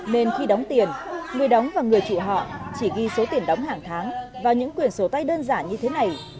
nên khi đóng tiền người đóng và người chủ họ chỉ ghi số tiền đóng hàng tháng vào những quyển số tay đơn giản như thế này